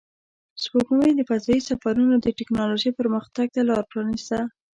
سپوږمۍ د فضایي سفرونو د تکنالوژۍ پرمختګ ته لار پرانیسته